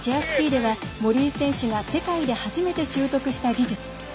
スキーでは森井選手が世界で初めて習得した技術。